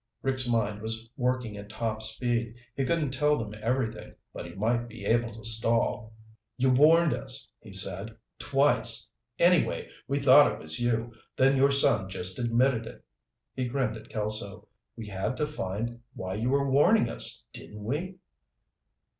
Rick's mind was working at top speed. He couldn't tell them everything, but he might be able to stall. "You warned us," he said. "Twice. Anyway, we thought it was you, then your son just admitted it." He grinned at Kelso. "We had to find out why you were warning us, didn't we?"